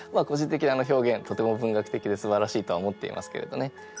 とても文学的ですばらしいとは思っていますけれどね。